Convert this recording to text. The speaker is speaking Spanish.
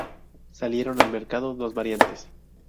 Salieron al mercado dos variantes.